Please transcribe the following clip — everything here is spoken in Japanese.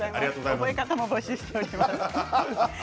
覚え方を募集しております。